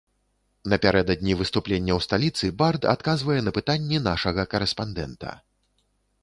Напярэдадні выступлення ў сталіцы бард адказвае на пытанні нашага карэспандэнта.